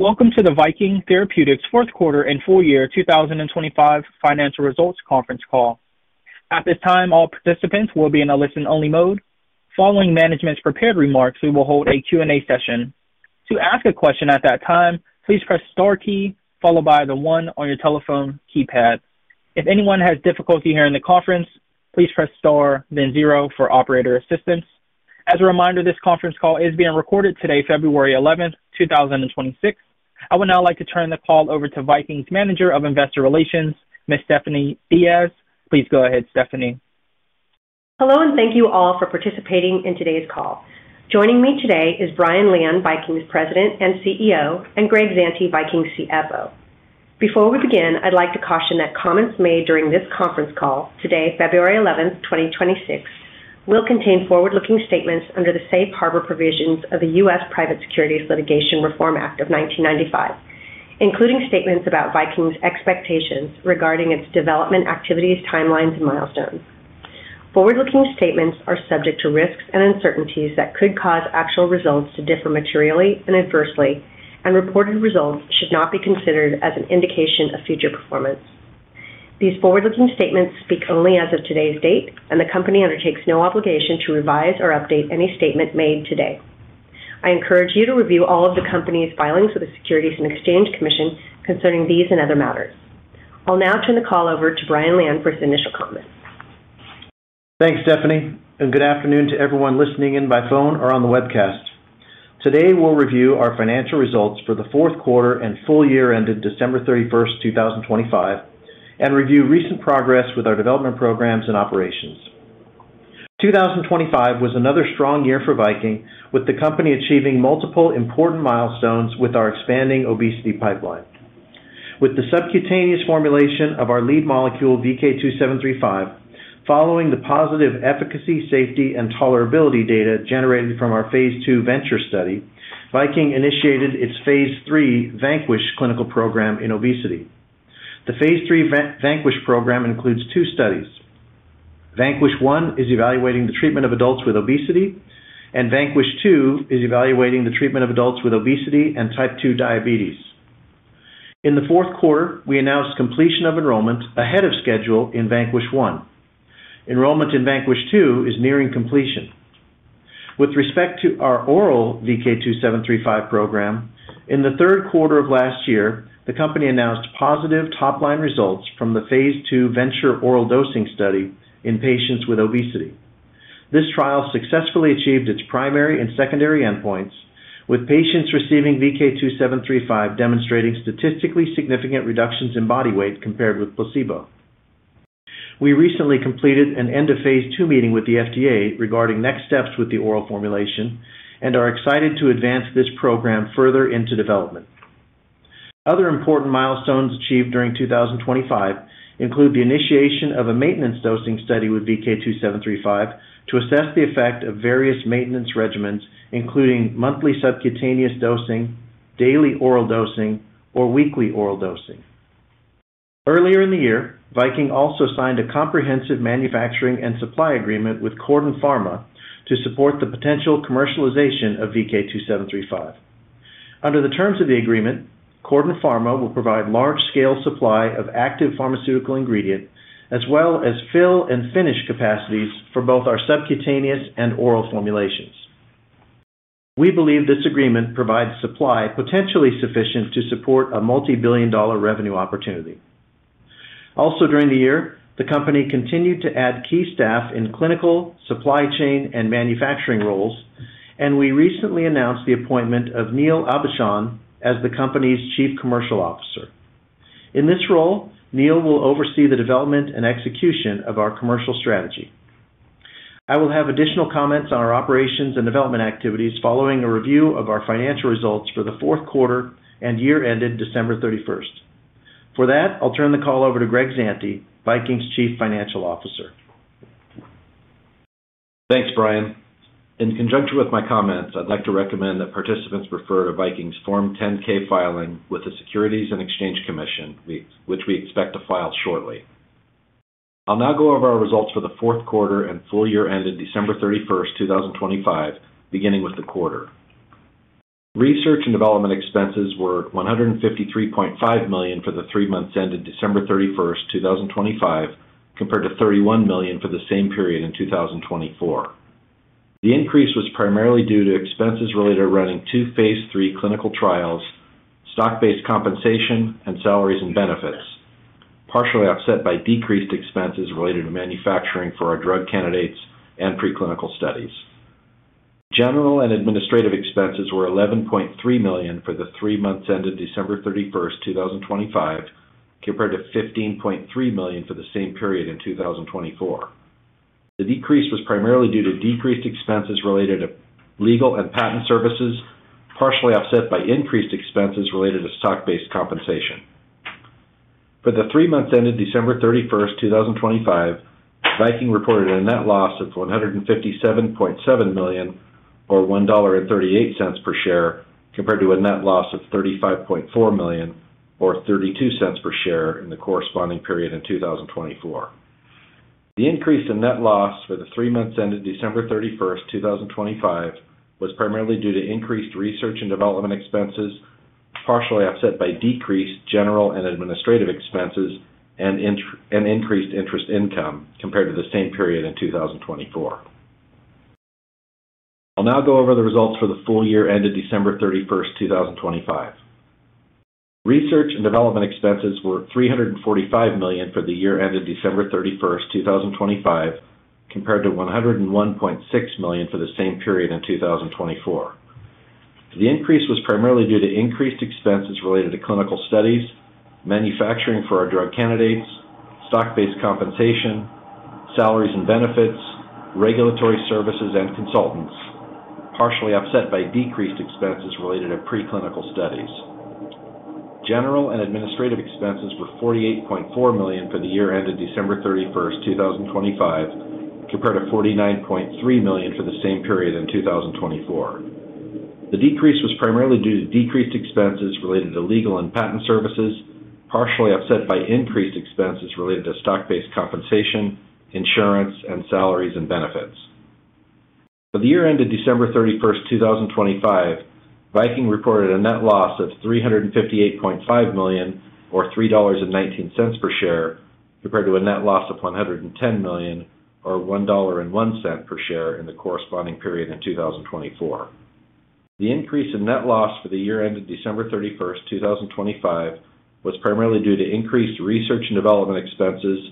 Welcome to the Viking Therapeutics fourth quarter and full year 2025 financial results conference call. At this time, all participants will be in a listen-only mode. Following management's prepared remarks, we will hold a Q&A session. To ask a question at that time, please press star key followed by the one on your telephone keypad. If anyone has difficulty hearing the conference, please press star, then zero for operator assistance. As a reminder, this conference call is being recorded today, February 11th, 2026. I would now like to turn the call over to Viking's manager of investor relations, Miss Stephanie Diaz. Please go ahead, Stephanie. Hello, and thank you all for participating in today's call. Joining me today is Brian Lian, Viking's President and CEO, and Greg Zante, Viking's CFO. Before we begin, I'd like to caution that comments made during this conference call today, February 11th, 2026, will contain forward-looking statements under the Safe Harbor provisions of the U.S. Private Securities Litigation Reform Act of 1995, including statements about Viking's expectations regarding its development activities, timelines, and milestones. Forward-looking statements are subject to risks and uncertainties that could cause actual results to differ materially and adversely, and reported results should not be considered as an indication of future performance. These forward-looking statements speak only as of today's date, and the company undertakes no obligation to revise or update any statement made today. I encourage you to review all of the company's filings with the Securities and Exchange Commission concerning these and other matters. I'll now turn the call over to Brian Lian for his initial comments. Thanks, Stephanie, and good afternoon to everyone listening in by phone or on the webcast. Today, we'll review our financial results for the fourth quarter and full year ended December 31st, 2025, and review recent progress with our development programs and operations. 2025 was another strong year for Viking, with the company achieving multiple important milestones with our expanding obesity pipeline. With the subcutaneous formulation of our lead molecule VK2735, following the positive efficacy, safety, and tolerability data generated from our Phase II VENTURE study, Viking initiated its Phase III VANQUISH clinical program in obesity. The Phase III VANQUISH program includes two studies. VANQUISH-1 is evaluating the treatment of adults with obesity, and VANQUISH-2 is evaluating the treatment of adults with obesity and type 2 diabetes. In the fourth quarter, we announced completion of enrollment ahead of schedule in VANQUISH-1. Enrollment in VANQUISH-2 is nearing completion. With respect to our oral VK2735 program, in the third quarter of last year, the company announced positive top-line results from the Phase II VENTURE-Oral Dosing study in patients with obesity. This trial successfully achieved its primary and secondary endpoints, with patients receiving VK2735 demonstrating statistically significant reductions in body weight compared with placebo. We recently completed an end-of-Phase II meeting with the FDA regarding next steps with the oral formulation and are excited to advance this program further into development. Other important milestones achieved during 2025 include the initiation of a maintenance Dosing study with VK2735 to assess the effect of various maintenance regimens, including monthly subcutaneous dosing, daily oral dosing, or weekly oral dosing. Earlier in the year, Viking also signed a comprehensive manufacturing and supply agreement with CordenPharma to support the potential commercialization of VK2735. Under the terms of the agreement, CordenPharma will provide large-scale supply of active pharmaceutical ingredient as well as fill and finish capacities for both our subcutaneous and oral formulations. We believe this agreement provides supply potentially sufficient to support a multi-billion dollar revenue opportunity. Also, during the year, the company continued to add key staff in clinical, supply chain, and manufacturing roles, and we recently announced the appointment of Neil Aubuchon as the company's Chief Commercial Officer. In this role, Neil will oversee the development and execution of our commercial strategy. I will have additional comments on our operations and development activities following a review of our financial results for the fourth quarter and year ended December 31st. For that, I'll turn the call over to Greg Zante, Viking's Chief Financial Officer. Thanks, Brian. In conjunction with my comments, I'd like to recommend that participants refer to Viking's Form 10-K filing with the Securities and Exchange Commission, which we expect to file shortly. I'll now go over our results for the fourth quarter and full year ended December 31st, 2025, beginning with the quarter. Research and development expenses were $153.5 million for the three months ended December 31st, 2025, compared to $31 million for the same period in 2024. The increase was primarily due to expenses related to running two Phase III clinical trials, stock-based compensation, and salaries and benefits, partially offset by decreased expenses related to manufacturing for our drug candidates and preclinical studies. General and administrative expenses were $11.3 million for the three months ended December 31st, 2025, compared to $15.3 million for the same period in 2024. The decrease was primarily due to decreased expenses related to legal and patent services, partially offset by increased expenses related to stock-based compensation. For the three months ended December 31st, 2025, Viking reported a net loss of $157.7 million or $1.38 per share compared to a net loss of $35.4 million or $0.32 per share in the corresponding period in 2024. The increase in net loss for the three months ended December 31st, 2025, was primarily due to increased research and development expenses, partially offset by decreased general and administrative expenses, and increased interest income compared to the same period in 2024. I'll now go over the results for the full year ended December 31st, 2025. Research and development expenses were $345 million for the year ended December 31st, 2025, compared to $101.6 million for the same period in 2024. The increase was primarily due to increased expenses related to clinical studies, manufacturing for our drug candidates, stock-based compensation, salaries and benefits, regulatory services, and consultants, partially offset by decreased expenses related to preclinical studies. General and administrative expenses were $48.4 million for the year ended December 31st, 2025, compared to $49.3 million for the same period in 2024. The decrease was primarily due to decreased expenses related to legal and patent services, partially offset by increased expenses related to stock-based compensation, insurance, and salaries and benefits. For the year ended December 31st, 2025, Viking reported a net loss of $358.5 million or $3.19 per share compared to a net loss of $110 million or $1.01 per share in the corresponding period in 2024. The increase in net loss for the year ended December 31st, 2025, was primarily due to increased research and development expenses,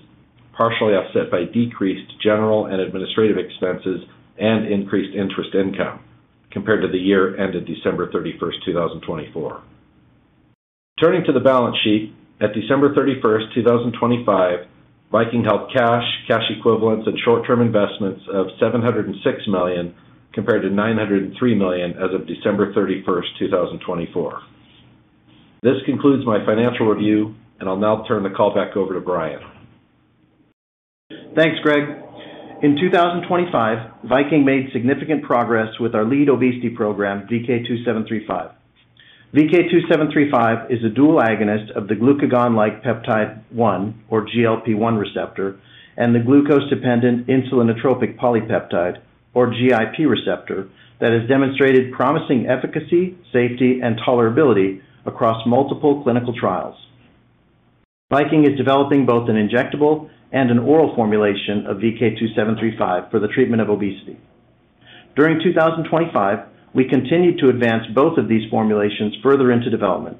partially offset by decreased general and administrative expenses, and increased interest income compared to the year ended December 31st, 2024. Turning to the balance sheet, at December 31st, 2025, Viking held cash, cash equivalents, and short-term investments of $706 million compared to $903 million as of December 31st, 2024. This concludes my financial review, and I'll now turn the call back over to Brian. Thanks, Greg. In 2025, Viking made significant progress with our lead obesity program, VK2735. VK2735 is a dual agonist of the glucagon-like peptide-1 or GLP-1 receptor and the glucose-dependent insulinotropic polypeptide or GIP receptor that has demonstrated promising efficacy, safety, and tolerability across multiple clinical trials. Viking is developing both an injectable and an oral formulation of VK2735 for the treatment of obesity. During 2025, we continued to advance both of these formulations further into development.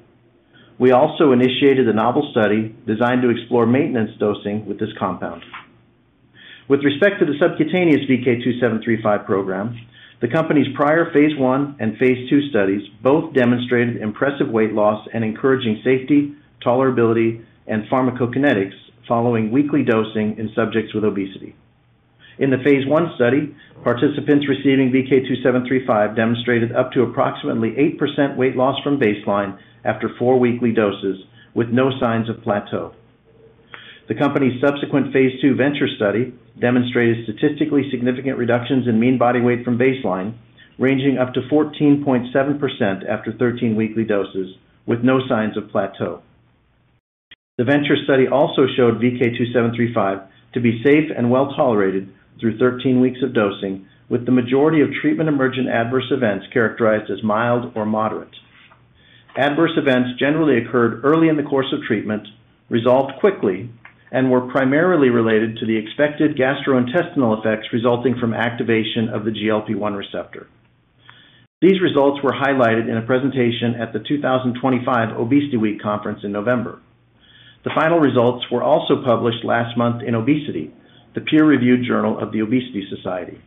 We also initiated a novel study designed to explore maintenance dosing with this compound. With respect to the subcutaneous VK2735 program, the company's prior Phase I and Phase II studies both demonstrated impressive weight loss and encouraging safety, tolerability, and pharmacokinetics following weekly dosing in subjects with obesity. In the Phase I study, participants receiving VK2735 demonstrated up to approximately 8% weight loss from baseline after four weekly doses with no signs of plateau. The company's subsequent Phase II VENTURE study demonstrated statistically significant reductions in mean body weight from baseline ranging up to 14.7% after 13 weekly doses with no signs of plateau. The VENTURE study also showed VK2735 to be safe and well-tolerated through 13 weeks of dosing with the majority of treatment-emergent adverse events characterized as mild or moderate. Adverse events generally occurred early in the course of treatment, resolved quickly, and were primarily related to the expected gastrointestinal effects resulting from activation of the GLP-1 receptor. These results were highlighted in a presentation at the 2025 ObesityWeek conference in November. The final results were also published last month in Obesity, the peer-reviewed journal of the Obesity Society.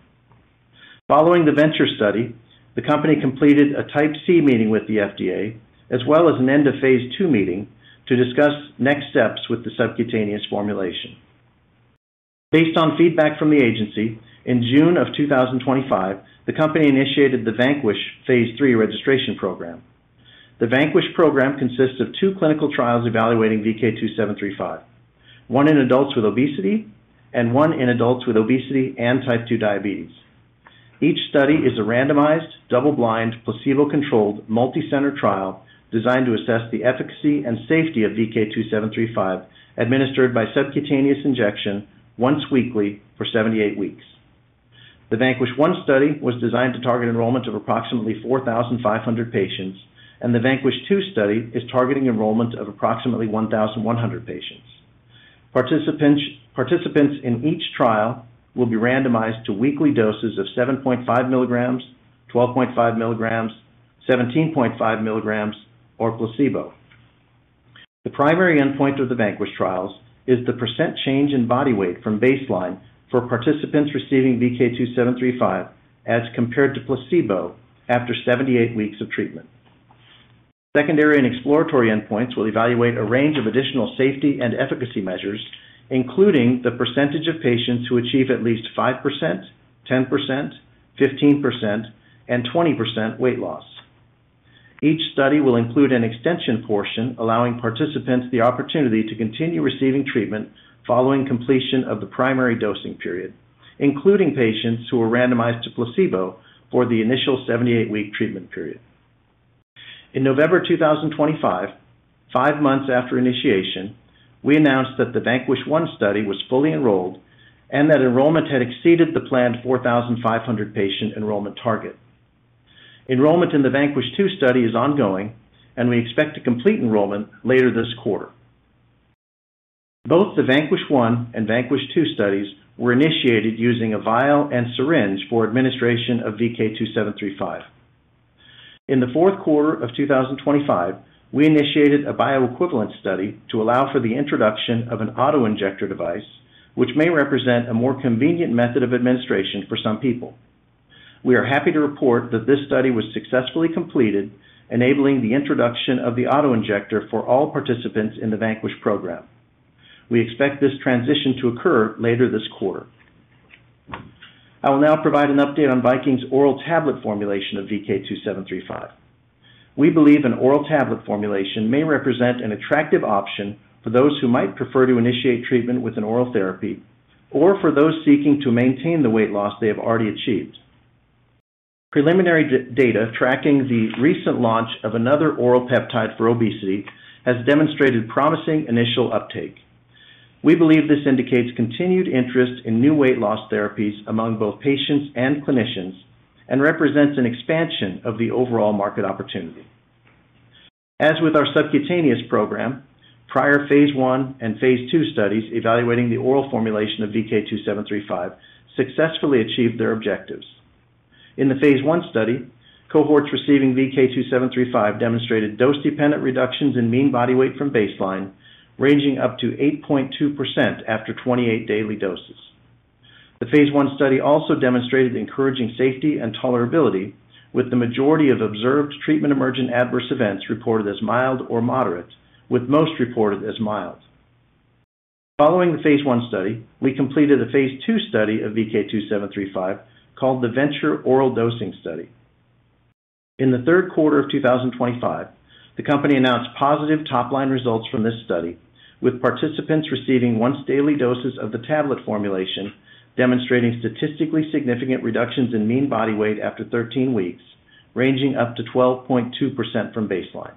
Following the VENTURE study, the company completed a Type C meeting with the FDA as well as an end-of-Phase II meeting to discuss next steps with the subcutaneous formulation. Based on feedback from the agency, in June of 2025, the company initiated the VANQUISH Phase III registration program. The VANQUISH program consists of two clinical trials evaluating VK2735, one in adults with obesity and one in adults with obesity and type 2 diabetes. Each study is a randomized, double-blind, placebo-controlled, multi-center trial designed to assess the efficacy and safety of VK2735 administered by subcutaneous injection once weekly for 78 weeks. The VANQUISH-1 study was designed to target enrollment of approximately 4,500 patients, and the VANQUISH-2 study is targeting enrollment of approximately 1,100 patients. Participants in each trial will be randomized to weekly doses of 7.5 mg, 12.5 mg, 17.5 mg, or placebo. The primary endpoint of the VANQUISH trials is the percent change in body weight from baseline for participants receiving VK2735 as compared to placebo after 78 weeks of treatment. Secondary and exploratory endpoints will evaluate a range of additional safety and efficacy measures, including the percentage of patients who achieve at least 5%, 10%, 15%, and 20% weight loss. Each study will include an extension portion allowing participants the opportunity to continue receiving treatment following completion of the primary dosing period, including patients who were randomized to placebo for the initial 78-week treatment period. In November 2025, five months after initiation, we announced that the VANQUISH-1 study was fully enrolled and that enrollment had exceeded the planned 4,500 patient enrollment target. Enrollment in the VANQUISH-2 study is ongoing, and we expect to complete enrollment later this quarter. Both the VANQUISH-1 and VANQUISH-2 studies were initiated using a vial and syringe for administration of VK2735. In the fourth quarter of 2025, we initiated a bioequivalence study to allow for the introduction of an autoinjector device, which may represent a more convenient method of administration for some people. We are happy to report that this study was successfully completed, enabling the introduction of the autoinjector for all participants in the VANQUISH program. We expect this transition to occur later this quarter. I will now provide an update on Viking's oral tablet formulation of VK2735. We believe an oral tablet formulation may represent an attractive option for those who might prefer to initiate treatment with an oral therapy or for those seeking to maintain the weight loss they have already achieved. Preliminary data tracking the recent launch of another oral peptide for obesity has demonstrated promising initial uptake. We believe this indicates continued interest in new weight loss therapies among both patients and clinicians and represents an expansion of the overall market opportunity. As with our subcutaneous program, prior Phase I and Phase II studies evaluating the oral formulation of VK2735 successfully achieved their objectives. In the Phase I study, cohorts receiving VK2735 demonstrated dose-dependent reductions in mean body weight from baseline ranging up to 8.2% after 28 daily doses. The Phase I study also demonstrated encouraging safety and tolerability, with the majority of observed treatment-emergent adverse events reported as mild or moderate, with most reported as mild. Following the Phase I study, we completed a Phase II study of VK2735 called the VENTURE-Oral Dosing study. In the third quarter of 2025, the company announced positive top-line results from this study, with participants receiving once-daily doses of the tablet formulation demonstrating statistically significant reductions in mean body weight after 13 weeks ranging up to 12.2% from baseline.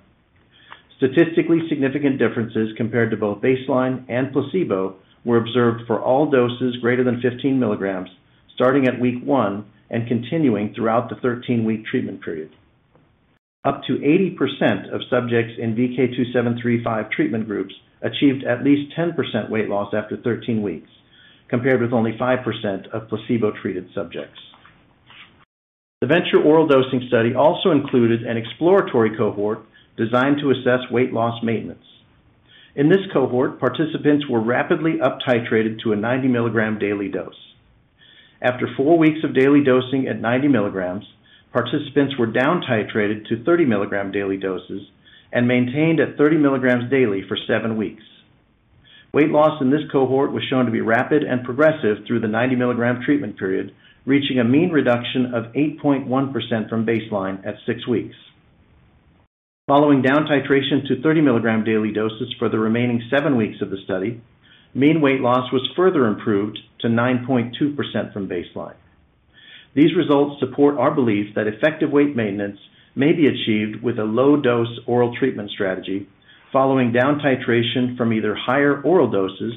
Statistically significant differences compared to both baseline and placebo were observed for all doses greater than 15 mg starting at week 1 and continuing throughout the 13-week treatment period. Up to 80% of subjects in VK2735 treatment groups achieved at least 10% weight loss after 13 weeks, compared with only 5% of placebo-treated subjects. The VENTURE-Oral Dosing study also included an exploratory cohort designed to assess weight loss maintenance. In this cohort, participants were rapidly up-titrated to a 90 mg daily dose. After 4 weeks of daily dosing at 90 mg, participants were down-titrated to 30 mg daily doses and maintained at 30 mg daily for seven weeks. Weight loss in this cohort was shown to be rapid and progressive through the 90 mg treatment period, reaching a mean reduction of 8.1% from baseline at six weeks. Following down-titration to 30 mg daily doses for the remaining seven weeks of the study, mean weight loss was further improved to 9.2% from baseline. These results support our belief that effective weight maintenance may be achieved with a low-dose oral treatment strategy following down-titration from either higher oral doses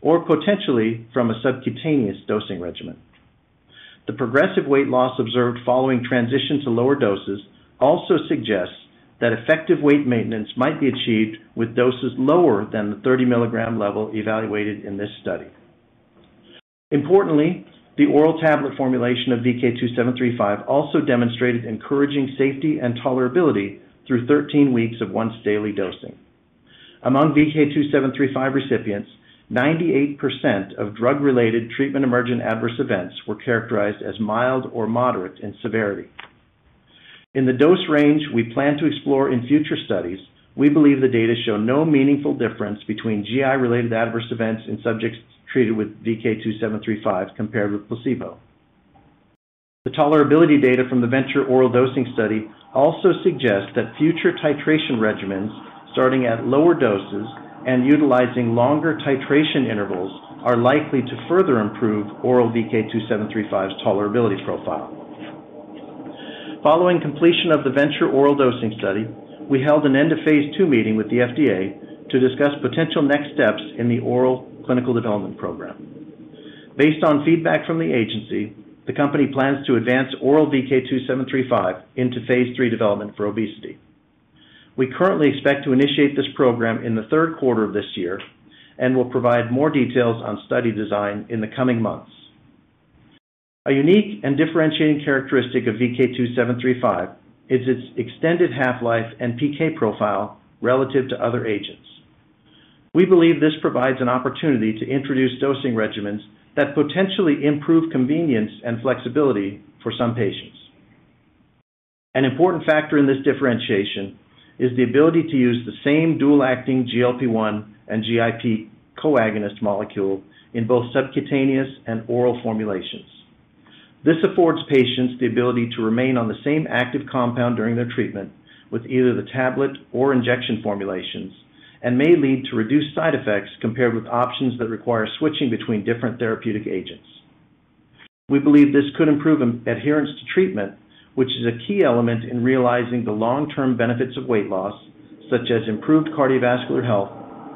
or potentially from a subcutaneous dosing regimen. The progressive weight loss observed following transition to lower doses also suggests that effective weight maintenance might be achieved with doses lower than the 30 mg level evaluated in this study. Importantly, the oral tablet formulation of VK2735 also demonstrated encouraging safety and tolerability through 13 weeks of once-daily dosing. Among VK2735 recipients, 98% of drug-related treatment-emergent adverse events were characterized as mild or moderate in severity. In the dose range we plan to explore in future studies, we believe the data show no meaningful difference between GI-related adverse events in subjects treated with VK2735 compared with placebo. The tolerability data from the VENTURE-Oral Dosing study also suggests that future titration regimens starting at lower doses and utilizing longer titration intervals are likely to further improve oral VK2735's tolerability profile. Following completion of the VENTURE-Oral Dosing study, we held an end-of-Phase II meeting with the FDA to discuss potential next steps in the oral clinical development program. Based on feedback from the agency, the company plans to advance oral VK2735 into Phase III development for obesity. We currently expect to initiate this program in the third quarter of this year and will provide more details on study design in the coming months. A unique and differentiating characteristic of VK2735 is its extended half-life and PK profile relative to other agents. We believe this provides an opportunity to introduce dosing regimens that potentially improve convenience and flexibility for some patients. An important factor in this differentiation is the ability to use the same dual-acting GLP-1 and GIP coagonist molecule in both subcutaneous and oral formulations. This affords patients the ability to remain on the same active compound during their treatment with either the tablet or injection formulations and may lead to reduced side effects compared with options that require switching between different therapeutic agents. We believe this could improve adherence to treatment, which is a key element in realizing the long-term benefits of weight loss such as improved cardiovascular health,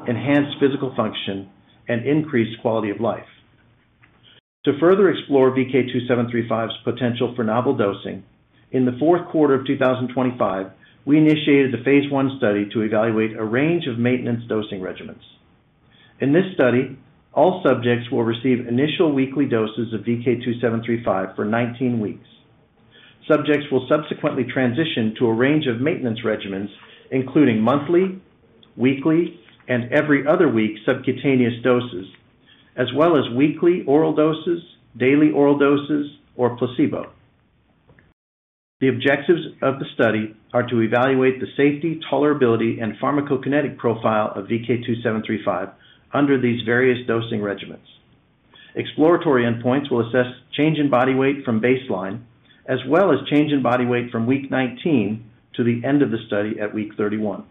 enhanced physical function, and increased quality of life. To further explore VK2735's potential for novel dosing, in the fourth quarter of 2025, we initiated a Phase I study to evaluate a range of maintenance dosing regimens. In this study, all subjects will receive initial weekly doses of VK2735 for 19 weeks. Subjects will subsequently transition to a range of maintenance regimens including monthly, weekly, and every other week subcutaneous doses, as well as weekly oral doses, daily oral doses, or placebo. The objectives of the study are to evaluate the safety, tolerability, and pharmacokinetic profile of VK2735 under these various dosing regimens. Exploratory endpoints will assess change in body weight from baseline as well as change in body weight from week 19 to the end of the study at week 31.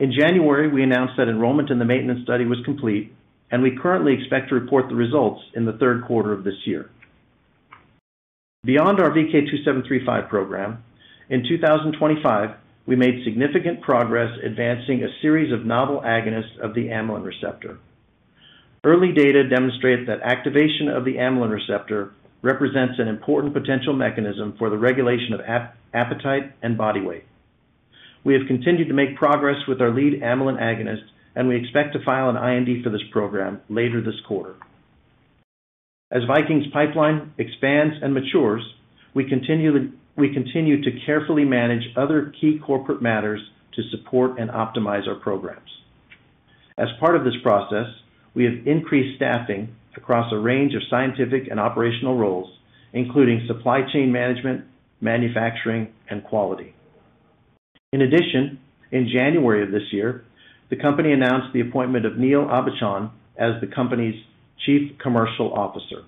In January, we announced that enrollment in the maintenance study was complete, and we currently expect to report the results in the third quarter of this year. Beyond our VK2735 program, in 2025, we made significant progress advancing a series of novel agonists of the amylin receptor. Early data demonstrate that activation of the amylin receptor represents an important potential mechanism for the regulation of appetite and body weight. We have continued to make progress with our lead amylin agonist, and we expect to file an IND for this program later this quarter. As Viking's pipeline expands and matures, we continue to carefully manage other key corporate matters to support and optimize our programs. As part of this process, we have increased staffing across a range of scientific and operational roles including supply chain management, manufacturing, and quality. In addition, in January of this year, the company announced the appointment of Neil Aubuchon as the company's Chief Commercial Officer.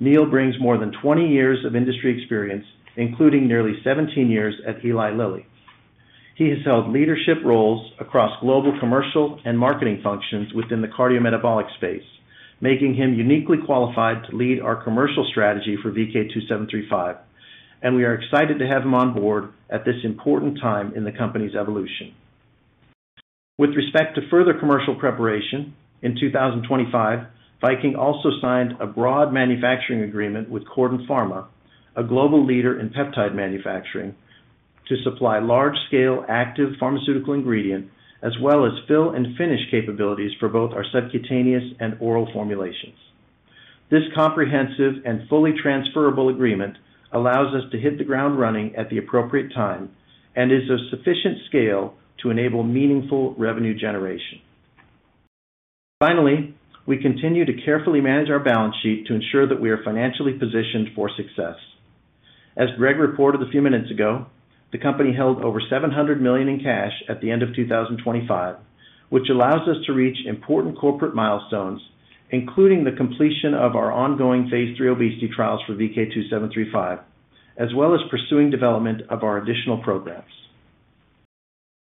Neil brings more than 20 years of industry experience including nearly 17 years at Eli Lilly. He has held leadership roles across global commercial and marketing functions within the cardiometabolic space, making him uniquely qualified to lead our commercial strategy for VK2735, and we are excited to have him on board at this important time in the company's evolution. With respect to further commercial preparation, in 2025, Viking also signed a broad manufacturing agreement with CordenPharma, a global leader in peptide manufacturing, to supply large-scale active pharmaceutical ingredient as well as fill and finish capabilities for both our subcutaneous and oral formulations. This comprehensive and fully transferable agreement allows us to hit the ground running at the appropriate time and is of sufficient scale to enable meaningful revenue generation. Finally, we continue to carefully manage our balance sheet to ensure that we are financially positioned for success. As Greg reported a few minutes ago, the company held over $700 million in cash at the end of 2025, which allows us to reach important corporate milestones including the completion of our ongoing Phase III obesity trials for VK2735 as well as pursuing development of our additional programs.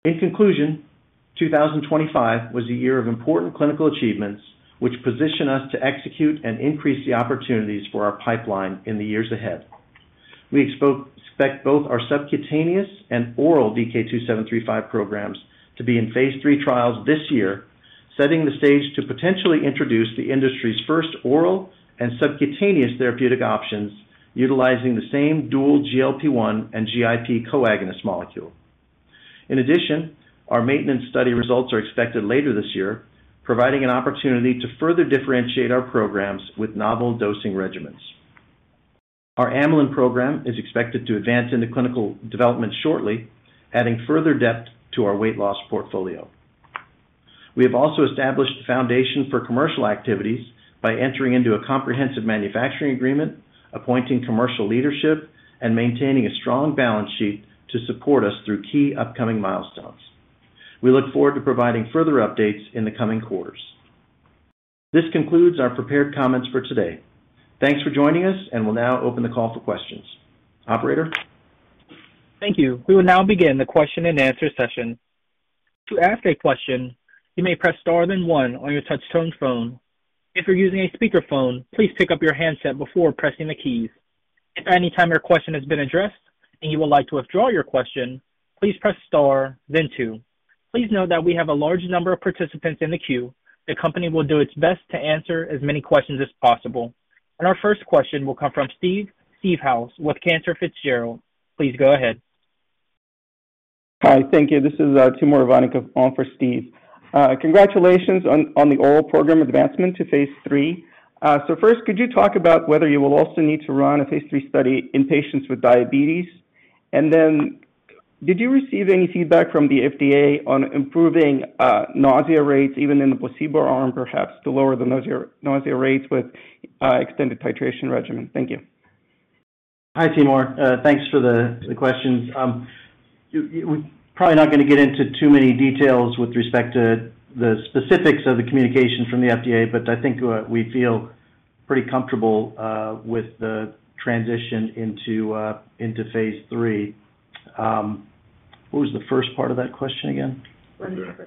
In conclusion, 2025 was a year of important clinical achievements which position us to execute and increase the opportunities for our pipeline in the years ahead. We expect both our subcutaneous and oral VK2735 programs to be in Phase III trials this year, setting the stage to potentially introduce the industry's first oral and subcutaneous therapeutic options utilizing the same dual GLP-1 and GIP coagonist molecule. In addition, our maintenance study results are expected later this year, providing an opportunity to further differentiate our programs with novel dosing regimens. Our amylin program is expected to advance into clinical development shortly, adding further depth to our weight loss portfolio. We have also established the foundation for commercial activities by entering into a comprehensive manufacturing agreement, appointing commercial leadership, and maintaining a strong balance sheet to support us through key upcoming milestones. We look forward to providing further updates in the coming quarters. This concludes our prepared comments for today. Thanks for joining us, and we'll now open the call for questions. Operator? Thank you. We will now begin the question and answer session. To ask a question, you may press star, then one on your touch-tone phone. If you're using a speakerphone, please pick up your handset before pressing the keys. If at any time your question has been addressed and you would like to withdraw your question, please press star, then two. Please note that we have a large number of participants in the queue. The company will do its best to answer as many questions as possible. And our first question will come from Steve Seedhouse with Cantor Fitzgerald. Please go ahead. Hi. Thank you. This is Timur Ivannikov on for Steve. Congratulations on the oral program advancement to Phase III. So first, could you talk about whether you will also need to run a Phase III study in patients with diabetes? And then did you receive any feedback from the FDA on improving nausea rates even in the placebo arm perhaps to lower the nausea rates with extended titration regimen? Thank you. Hi, Timur. Thanks for the questions. We're probably not going to get into too many details with respect to the specifics of the communication from the FDA, but I think we feel pretty comfortable with the transition into Phase III. What was the first part of that question again?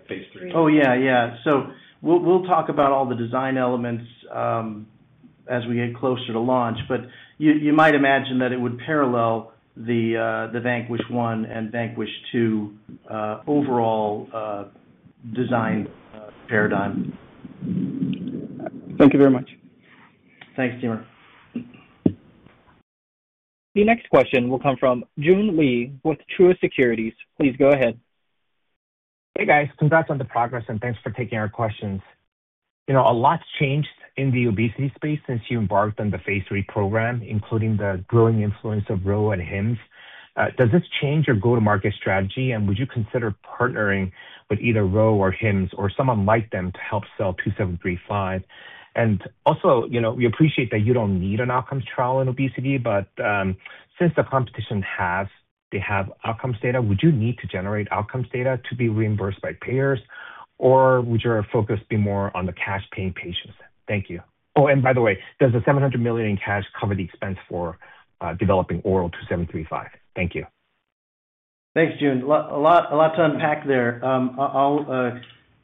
Phase three. Oh, yeah. Yeah. So we'll talk about all the design elements as we get closer to launch, but you might imagine that it would parallel the VANQUISH-1 and VANQUISH-2 overall design paradigm. Thank you very much. Thanks, Timur. The next question will come from Joon Lee with Truist Securities. Please go ahead. Hey, guys. Congrats on the progress, and thanks for taking our questions. A lot's changed in the obesity space since you embarked on the Phase III program including the growing influence of Ro and Hims. Does this change your go-to-market strategy, and would you consider partnering with either Ro or Hims or someone like them to help sell 2735? And also, we appreciate that you don't need an outcomes trial in obesity, but since the competition has outcomes data, would you need to generate outcomes data to be reimbursed by payers, or would your focus be more on the cash paying patients? Thank you. Oh, and by the way, does the $700 million in cash cover the expense for developing oral 2735? Thank you. Thanks, Joon. A lot to unpack there. I'll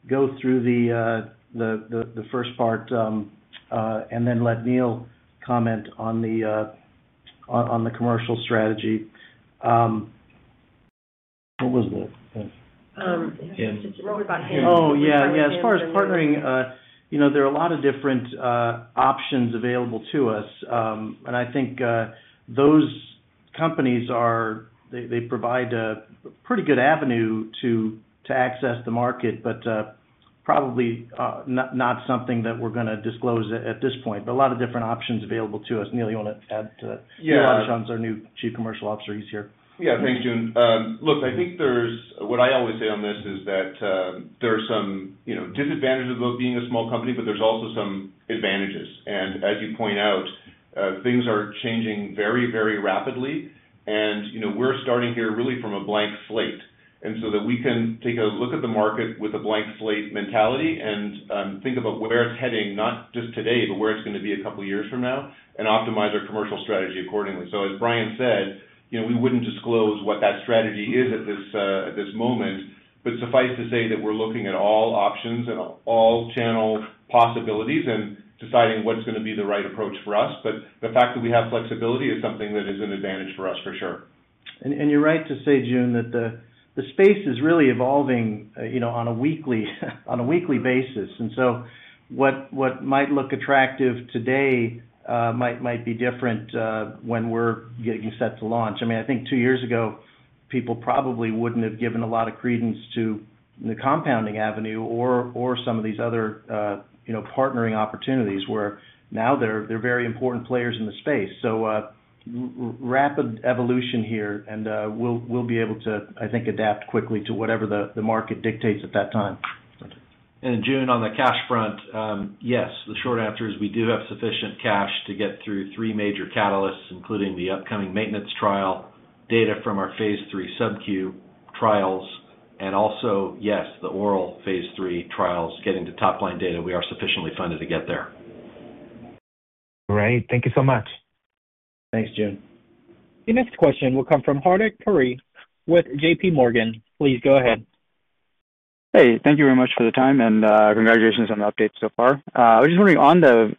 go through the first part and then let Neil comment on the commercial strategy. What was the? What was about Hims? Oh, yeah. Yeah. As far as partnering, there are a lot of different options available to us, and I think those companies, they provide a pretty good avenue to access the market, but probably not something that we're going to disclose at this point. But a lot of different options available to us. Neil, you want to add to that? Neil Aubuchon's our new Chief Commercial Officer. He's here. Yeah. Thanks, Joon. Look, I think what I always say on this is that there are some disadvantages of being a small company, but there's also some advantages. As you point out, things are changing very, very rapidly, and we're starting here really from a blank slate. So that we can take a look at the market with a blank slate mentality and think about where it's heading not just today, but where it's going to be a couple of years from now and optimize our commercial strategy accordingly. As Brian said, we wouldn't disclose what that strategy is at this moment, but suffice to say that we're looking at all options and all channel possibilities and deciding what's going to be the right approach for us. The fact that we have flexibility is something that is an advantage for us for sure. You're right to say, Joon, that the space is really evolving on a weekly basis. And so what might look attractive today might be different when we're getting set to launch. I mean, I think two years ago, people probably wouldn't have given a lot of credence to the compounding avenue or some of these other partnering opportunities where now they're very important players in the space. So rapid evolution here, and we'll be able to, I think, adapt quickly to whatever the market dictates at that time. And Joon, on the cash front, yes. The short answer is we do have sufficient cash to get through three major catalysts including the upcoming maintenance trial, data from our Phase III subQ trials, and also, yes, the oral Phase III trials. Getting to top-line data, we are sufficiently funded to get there. Great. Thank you so much. Thanks, Joon. The next question will come from Hardik Parikh with JPMorgan. Please go ahead. Hey. Thank you very much for the time, and congratulations on the update so far. I was just wondering on the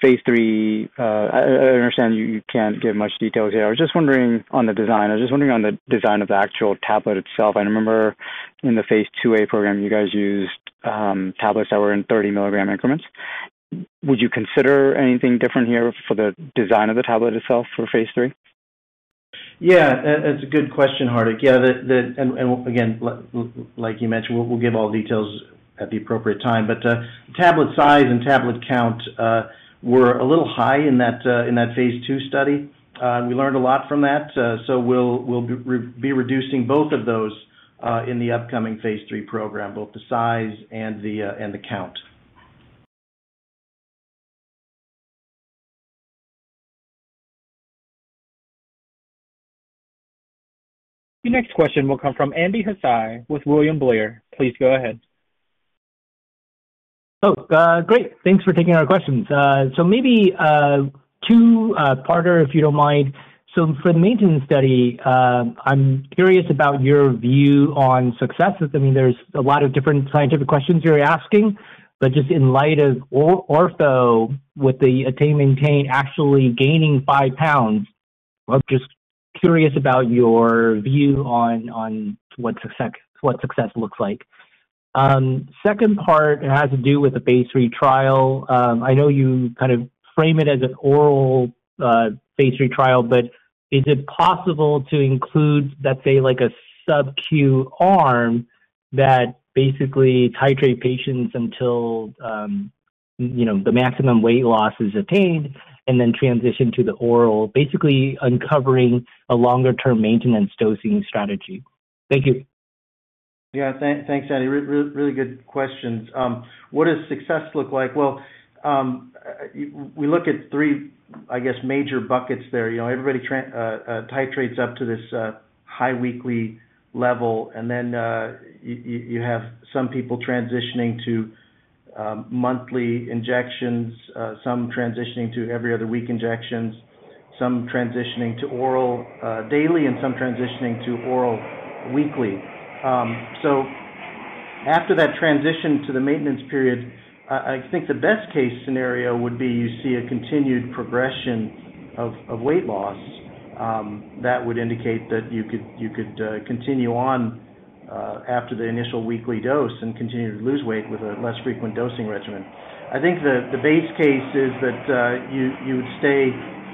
Phase III. I understand you can't give much details here. I was just wondering on the design. I was just wondering on the design of the actual tablet itself. I remember in the Phase IIa program, you guys used tablets that were in 30 mg increments. Would you consider anything different here for the design of the tablet itself for Phase III? Yeah. That's a good question, Hardik. Yeah. And again, like you mentioned, we'll give all details at the appropriate time. But the tablet size and tablet count were a little high in that Phase II study. We learned a lot from that, so we'll be reducing both of those in the upcoming Phase III program, both the size and the count. The next question will come from Andy Hsieh with William Blair. Please go ahead. Oh, great. Thanks for taking our questions. So maybe two-parter, if you don't mind. So for the maintenance study, I'm curious about your view on successes. I mean, there's a lot of different scientific questions you're asking, but just in light of orfo with the ATTAIN-maintain actually gaining 5 lb, I'm just curious about your view on what success looks like. Second part has to do with the Phase III trial. I know you kind of frame it as an oral Phase III trial, but is it possible to include, let's say, a subQ arm that basically titrate patients until the maximum weight loss is attained and then transition to the oral, basically uncovering a longer-term maintenance dosing strategy? Thank you. Yeah. Thanks, Andy. Really good questions. What does success look like? Well, we look at three, I guess, major buckets there. Everybody titrates up to this high weekly level, and then you have some people transitioning to monthly injections, some transitioning to every other week injections, some transitioning to oral daily, and some transitioning to oral weekly. So after that transition to the maintenance period, I think the best-case scenario would be you see a continued progression of weight loss that would indicate that you could continue on after the initial weekly dose and continue to lose weight with a less frequent dosing regimen. I think the base case is that you would stay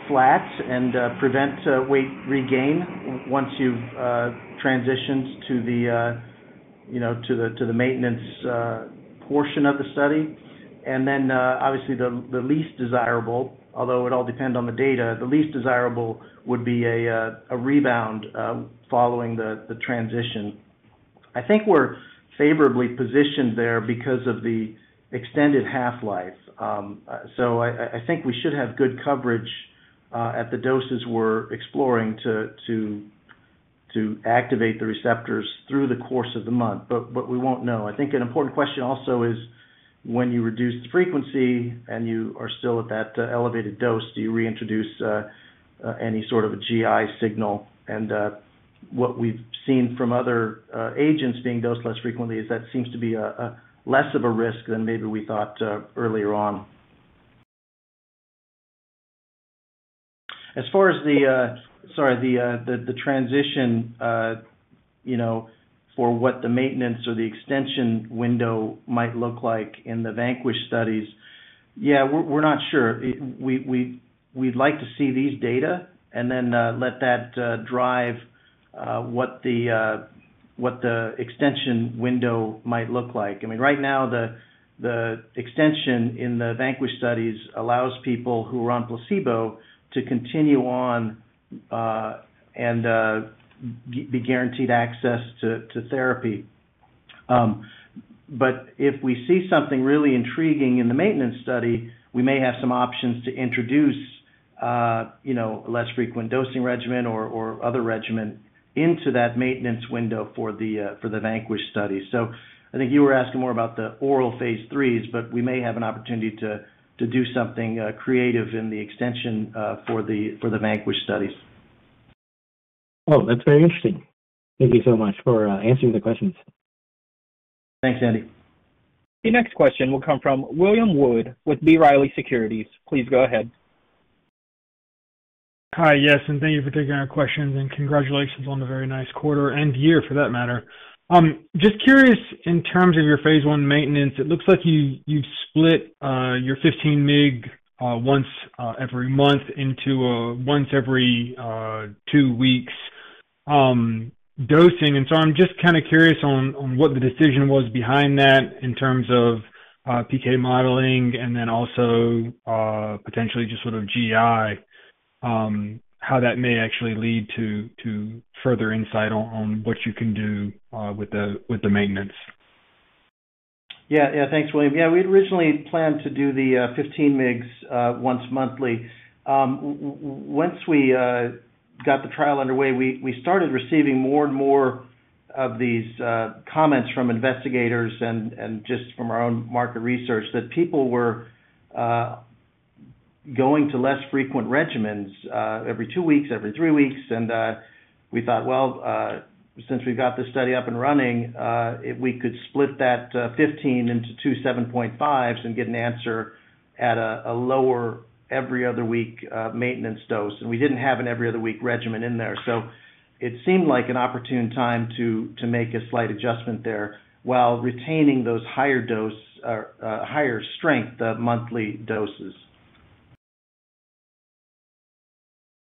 flat and prevent weight regain once you've transitioned to the maintenance portion of the study. Then obviously, the least desirable, although it'll depend on the data, the least desirable would be a rebound following the transition. I think we're favorably positioned there because of the extended half-life. So I think we should have good coverage at the doses we're exploring to activate the receptors through the course of the month, but we won't know. I think an important question also is when you reduce the frequency and you are still at that elevated dose, do you reintroduce any sort of a GI signal? And what we've seen from other agents being dosed less frequently is that seems to be less of a risk than maybe we thought earlier on. As far as, sorry, the transition for what the maintenance or the extension window might look like in the VANQUISH studies, yeah, we're not sure. We'd like to see these data and then let that drive what the extension window might look like. I mean, right now, the extension in the VANQUISH studies allows people who are on placebo to continue on and be guaranteed access to therapy. But if we see something really intriguing in the maintenance study, we may have some options to introduce a less frequent dosing regimen or other regimen into that maintenance window for the VANQUISH studies. So I think you were asking more about the oral Phase IIIs, but we may have an opportunity to do something creative in the extension for the VANQUISH studies. Oh, that's very interesting. Thank you so much for answering the questions. Thanks, Andy. The next question will come from William Wood with B. Riley Securities. Please go ahead. Hi. Yes. Thank you for taking our questions, and congratulations on a very nice quarter-end year for that matter. Just curious, in terms of your Phase I maintenance, it looks like you've split your 15-mg once every month into once every two weeks dosing. So I'm just kind of curious on what the decision was behind that in terms of PK modeling and then also potentially just sort of GI, how that may actually lead to further insight on what you can do with the maintenance. Yeah. Yeah. Thanks, William. Yeah. We'd originally planned to do the 15-mg once monthly. Once we got the trial underway, we started receiving more and more of these comments from investigators and just from our own market research that people were going to less frequent regimens every two weeks, every three weeks. And we thought, "Well, since we've got this study up and running, we could split that 15 into two 7.5s and get an answer at a lower every other week maintenance dose." And we didn't have an every other week regimen in there. So it seemed like an opportune time to make a slight adjustment there while retaining those higher strength monthly doses.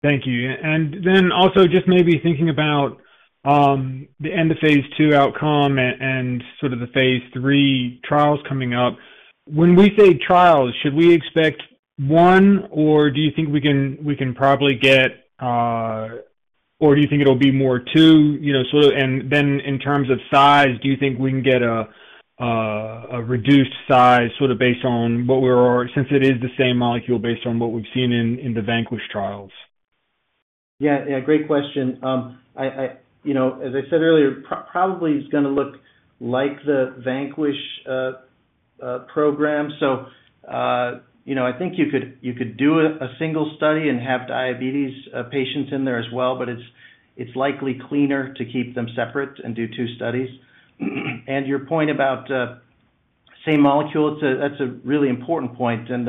Thank you. And then also just maybe thinking about the end-of-Phase II outcome and sort of the Phase III trials coming up, when we say trials, should we expect one, or do you think we can probably get or do you think it'll be more two sort of? And then in terms of size, do you think we can get a reduced size sort of based on what we're since it is the same molecule based on what we've seen in the VANQUISH trials? Yeah. Yeah. Great question. As I said earlier, probably is going to look like the VANQUISH program. So I think you could do a single study and have diabetes patients in there as well, but it's likely cleaner to keep them separate and do two studies. And your point about same molecule, that's a really important point. And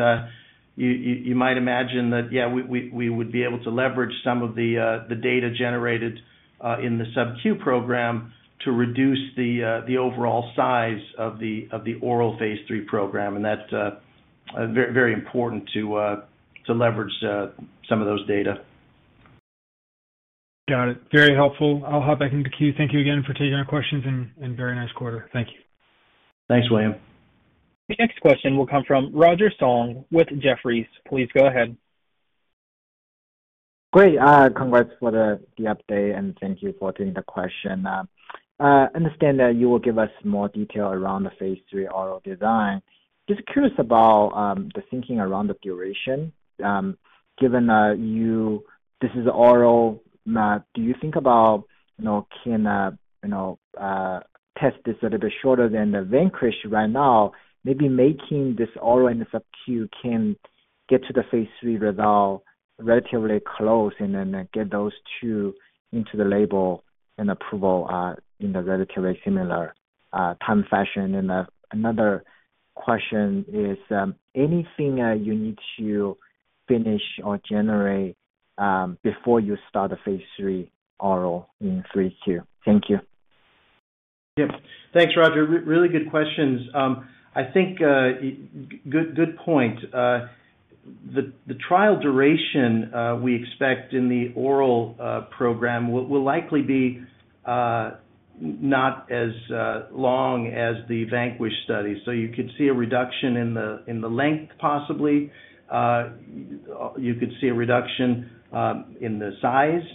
you might imagine that, yeah, we would be able to leverage some of the data generated in the subQ program to reduce the overall size of the oral Phase III program. And that's very important to leverage some of those data. Got it. Very helpful. I'll hop back into queue. Thank you again for taking our questions, and very nice quarter. Thank you. Thanks, William. The next question will come from Roger Song with Jefferies. Please go ahead. Great. Congrats for the update, and thank you for taking the question. I understand that you will give us more detail around the Phase III oral design. Just curious about the thinking around the duration. Given that this is oral, do you think about can a test that's a little bit shorter than the VANQUISH right now, maybe making this oral in the subQ can get to the Phase III result relatively close and then get those two into the label and approval in a relatively similar time fashion? And another question is, anything you need to finish or generate before you start the Phase III oral in 3Q? Thank you. Yep. Thanks, Roger. Really good questions. I think good point. The trial duration we expect in the oral program will likely be not as long as the VANQUISH study. So you could see a reduction in the length, possibly. You could see a reduction in the size,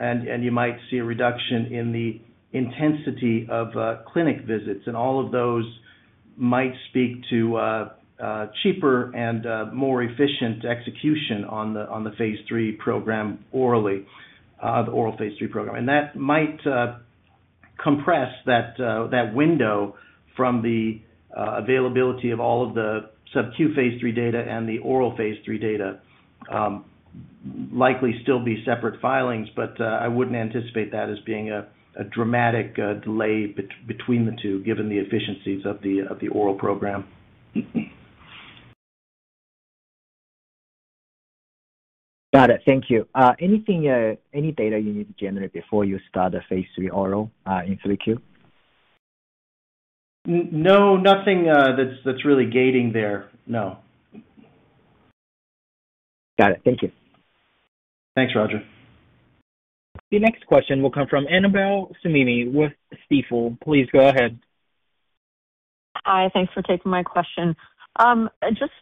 and you might see a reduction in the intensity of clinic visits. And all of those might speak to cheaper and more efficient execution on the Phase III program orally, the oral Phase III program. And that might compress that window from the availability of all of the subQ Phase III data and the oral Phase III data, likely still be separate filings, but I wouldn't anticipate that as being a dramatic delay between the two given the efficiencies of the oral program. Got it. Thank you. Any data you need to generate before you start a Phase III oral in Q3? No. Nothing that's really gating there. No. Got it. Thank you. Thanks, Roger. The next question will come from Annabel Samimy with Stifel. Please go ahead. Hi. Thanks for taking my question. Just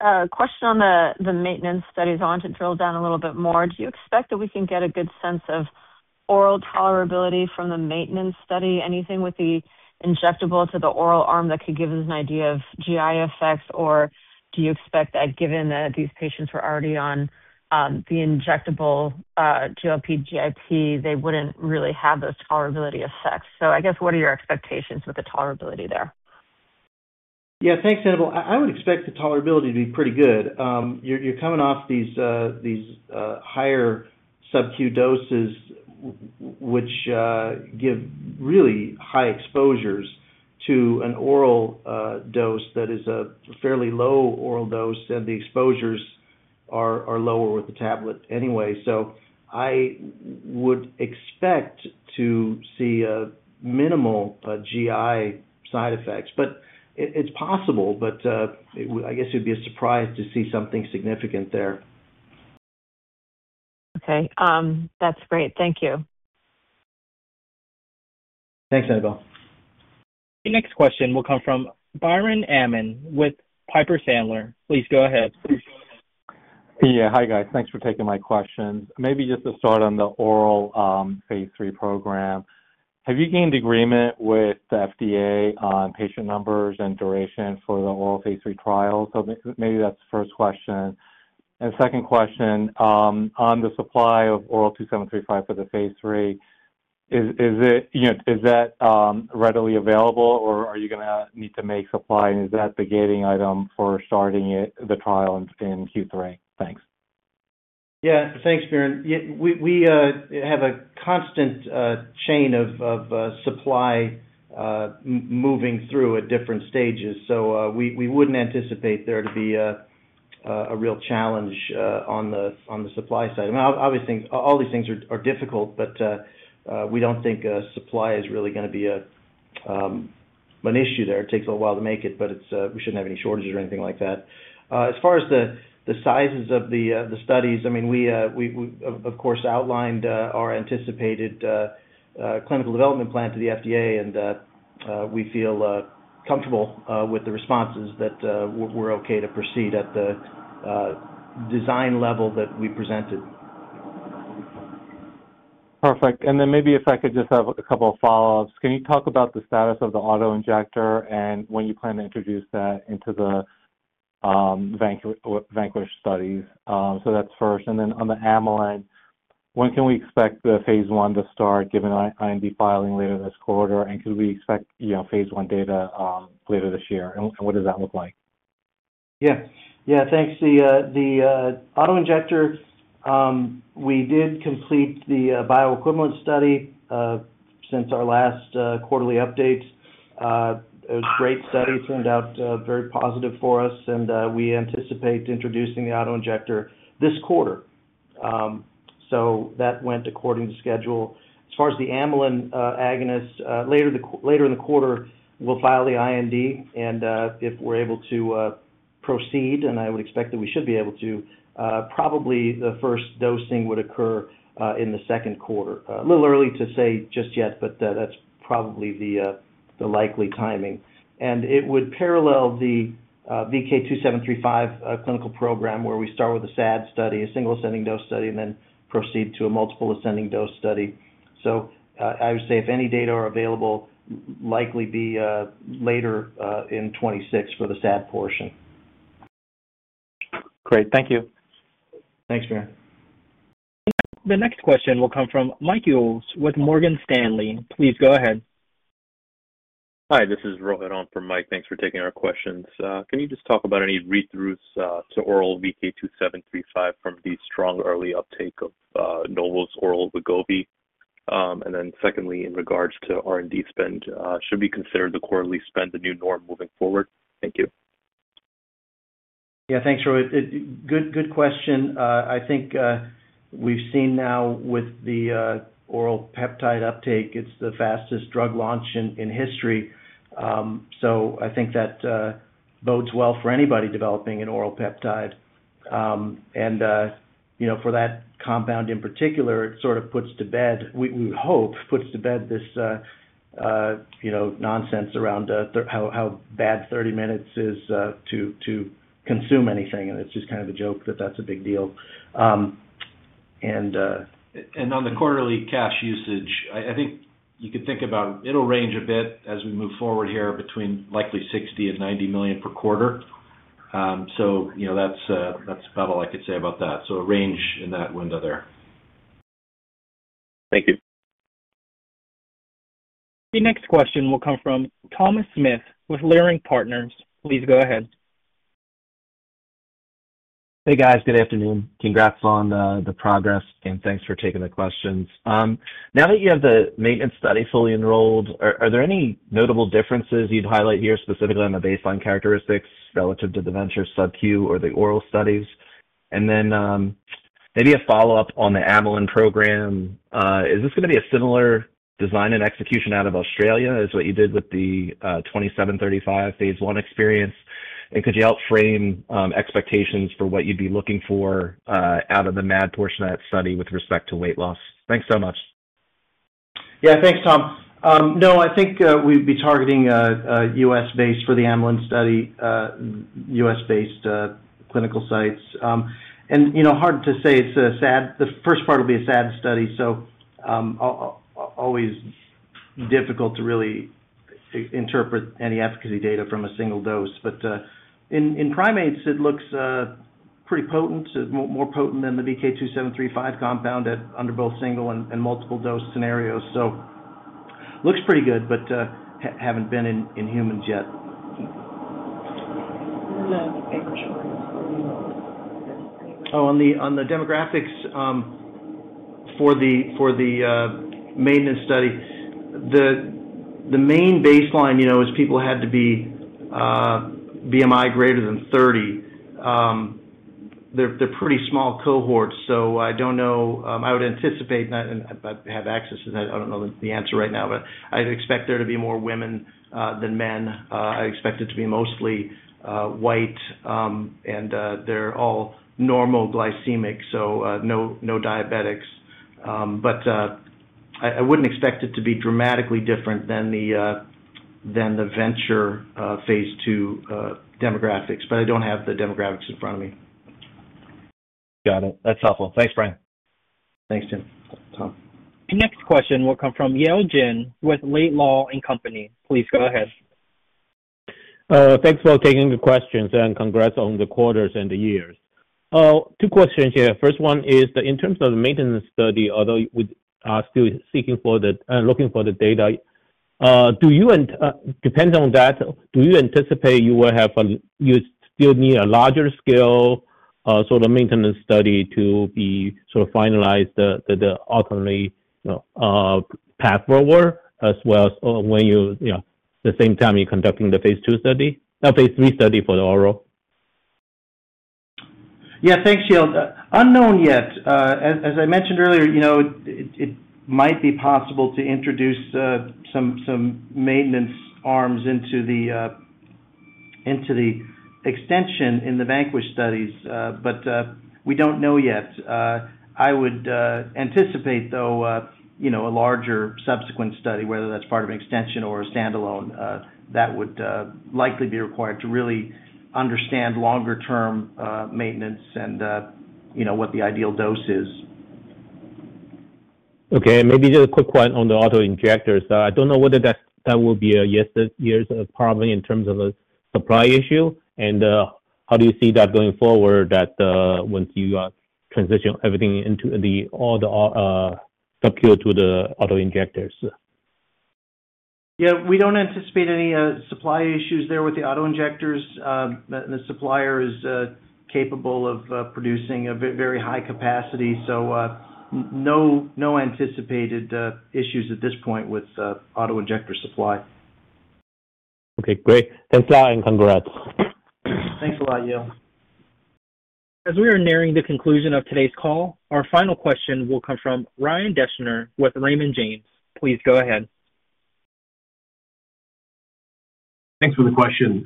a question on the maintenance studies. I wanted to drill down a little bit more. Do you expect that we can get a good sense of oral tolerability from the maintenance study? Anything with the injectable to the oral arm that could give us an idea of GI effects? Or do you expect that given that these patients were already on the injectable GLP, GIP, they wouldn't really have those tolerability effects? So I guess what are your expectations with the tolerability there? Yeah. Thanks, Annabel. I would expect the tolerability to be pretty good. You're coming off these higher subQ doses, which give really high exposures to an oral dose that is a fairly low oral dose, and the exposures are lower with the tablet anyway. So I would expect to see minimal GI side effects. But it's possible, but I guess it'd be a surprise to see something significant there. Okay. That's great. Thank you. Thanks, Annabel. The next question will come from Biren Amin with Piper Sandler. Please go ahead. Yeah. Hi, guys. Thanks for taking my questions. Maybe just to start on the oral Phase III program, have you gained agreement with the FDA on patient numbers and duration for the oral Phase III trials? So maybe that's the first question. And second question, on the supply of oral 2735 for the Phase III, is that readily available, or are you going to need to make supply? And is that the gating item for starting the trial in Q3? Thanks. Yeah. Thanks, Biren. We have a constant chain of supply moving through at different stages, so we wouldn't anticipate there to be a real challenge on the supply side. I mean, all these things are difficult, but we don't think supply is really going to be an issue there. It takes a little while to make it, but we shouldn't have any shortages or anything like that. As far as the sizes of the studies, I mean, we, of course, outlined our anticipated clinical development plan to the FDA, and we feel comfortable with the responses that we're okay to proceed at the design level that we presented. Perfect. And then maybe if I could just have a couple of follow-ups. Can you talk about the status of the autoinjector and when you plan to introduce that into the VANQUISH studies? So that's first. And then on the amylin, when can we expect the Phase I to start given IND filing later this quarter? And could we expect Phase I data later this year? And what does that look like? Yeah. Yeah. Thanks. The autoinjector, we did complete the bioequivalence study since our last quarterly update. It was a great study. It turned out very positive for us, and we anticipate introducing the autoinjector this quarter. So that went according to schedule. As far as the amylin agonist, later in the quarter, we'll file the IND, and if we're able to proceed, and I would expect that we should be able to, probably the first dosing would occur in the second quarter. A little early to say just yet, but that's probably the likely timing. And it would parallel the VK2735 clinical program where we start with a SAD study, a single ascending dose study, and then proceed to a multiple ascending dose study. So I would say if any data are available, likely be later in 2026 for the SAD portion. Great. Thank you. Thanks, Biren. The next question will come from Mike Ulz with Morgan Stanley. Please go ahead. Hi. This is Rohit on for Mike. Thanks for taking our questions. Can you just talk about any read-throughs to oral VK2735 from the strong early uptake of Novo's oral Wegovy? And then secondly, in regards to R&D spend, should we consider the quarterly spend a new norm moving forward? Thank you. Yeah. Thanks, Roger. Good question. I think we've seen now with the oral peptide uptake, it's the fastest drug launch in history. So I think that bodes well for anybody developing an oral peptide. And for that compound in particular, it sort of puts to bed we would hope puts to bed this nonsense around how bad 30 minutes is to consume anything. And it's just kind of a joke that that's a big deal. And. On the quarterly cash usage, I think you could think about it'll range a bit as we move forward here between likely $60 million-$90 million per quarter. That's about all I could say about that. A range in that window there. Thank you. The next question will come from Thomas Smith with Leerink Partners. Please go ahead. Hey, guys. Good afternoon. Congrats on the progress, and thanks for taking the questions. Now that you have the maintenance study fully enrolled, are there any notable differences you'd highlight here specifically on the baseline characteristics relative to the VENTURE subQ or the oral studies? And then maybe a follow-up on the amylin program. Is this going to be a similar design and execution out of Australia as what you did with the 2735 Phase I experience? And could you help frame expectations for what you'd be looking for out of the MAD portion of that study with respect to weight loss? Thanks so much. Yeah. Thanks, Tom. No, I think we'd be targeting U.S.-based for the amylin study, U.S.-based clinical sites. Hard to say. The first part will be a SAD study, so always difficult to really interpret any efficacy data from a single dose. But in primates, it looks pretty potent, more potent than the VK2735 compound under both single and multiple dose scenarios. So looks pretty good, but haven't been in humans yet. And then the bigger choice for the oral? Oh, on the demographics for the maintenance study, the main baseline is people had to be BMI greater than 30. They're pretty small cohorts. So I don't know. I would anticipate and I have access to that. I don't know the answer right now, but I'd expect there to be more women than men. I expect it to be mostly white, and they're all normoglycemic, so no diabetics. But I wouldn't expect it to be dramatically different than the VENTURE Phase II demographics, but I don't have the demographics in front of me. Got it. That's helpful. Thanks, Brian. Thanks, again Tom. The next question will come from Yale Jen with Laidlaw & Co. Please go ahead. Thanks for taking the questions, and congrats on the quarters and the years. Two questions here. First one is, in terms of the maintenance study, although we are still looking for the data, depending on that, do you anticipate you will have a you still need a larger-scale sort of maintenance study to be sort of finalized ultimately path forward as well as when you at the same time, you're conducting the Phase II study no, Phase III study for the oral? Yeah. Thanks, Yale. Unknown yet. As I mentioned earlier, it might be possible to introduce some maintenance arms into the extension in the VANQUISH studies, but we don't know yet. I would anticipate, though, a larger subsequent study, whether that's part of an extension or a standalone. That would likely be required to really understand longer-term maintenance and what the ideal dose is. Okay. Maybe just a quick point on the autoinjectors. I don't know whether that will be a yes or probably in terms of a supply issue. How do you see that going forward, that once you transition everything into all the subQ to the autoinjectors? Yeah. We don't anticipate any supply issues there with the autoinjectors. The supplier is capable of producing a very high capacity, so no anticipated issues at this point with autoinjector supply. Okay. Great. Thanks a lot and congrats. Thanks a lot, Yale. As we are nearing the conclusion of today's call, our final question will come from Ryan Deschner with Raymond James. Please go ahead. Thanks for the question.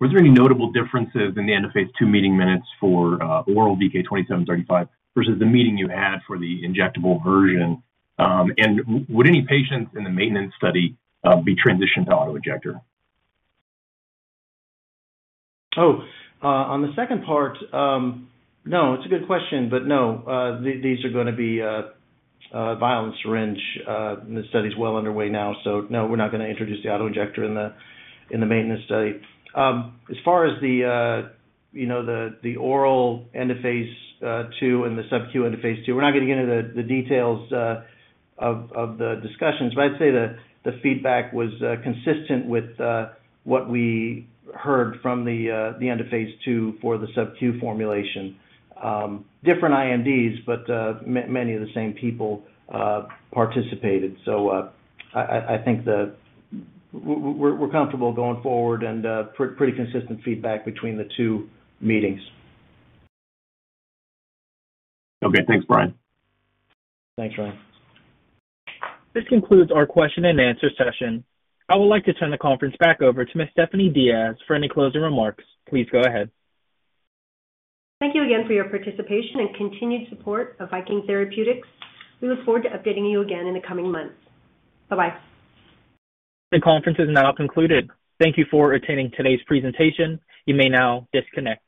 Were there any notable differences in the end-of-Phase II meeting minutes for oral VK2735 versus the meeting you had for the injectable version? And would any patients in the maintenance study be transitioned to autoinjector? Oh, on the second part, no. It's a good question, but no. These are going to be a vial and syringe. The study's well underway now, so no, we're not going to introduce the autoinjector in the maintenance study. As far as the oral end-of-Phase II and the subQ end-of-Phase II, we're not going to get into the details of the discussions, but I'd say the feedback was consistent with what we heard from the end-of-Phase II for the subQ formulation. Different INDs, but many of the same people participated. So I think we're comfortable going forward and pretty consistent feedback between the two meetings. Okay. Thanks, Brian. Thanks, Ryan. This concludes our question-and-answer session. I would like to turn the conference back over to Miss Stephanie Diaz for any closing remarks. Please go ahead. Thank you again for your participation and continued support of Viking Therapeutics. We look forward to updating you again in the coming months. Bye-bye. The conference is now concluded. Thank you for attending today's presentation. You may now disconnect.